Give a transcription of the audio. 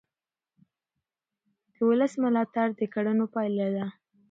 د ولس ملاتړ د کړنو پایله ده